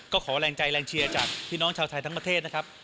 ก็ขอแรงใจแรงเชียร์จากพี่น้องชาวไทยทั้งประเทศนะครับ